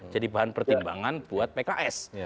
jadi bahan pertimbangan buat pks